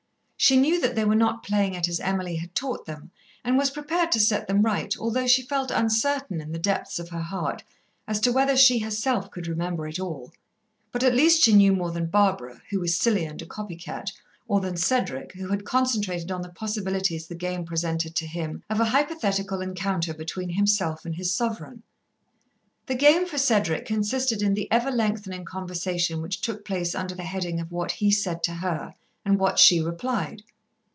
She knew that they were not playing it as Emily had taught them, and was prepared to set them right, although she felt uncertain, in the depths of her heart, as to whether she herself could remember it all. But at least she knew more than Barbara, who was silly and a copy cat, or than Cedric, who had concentrated on the possibilities the game presented to him of a hypothetical encounter between himself and his Sovereign. The game for Cedric consisted in the ever lengthening conversation which took place under the heading of what he said to her and what she replied.